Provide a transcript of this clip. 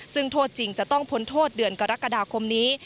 ซึ่งโทษจริงจะต้องพ้นโทษเดือนกรกฎาคมนี้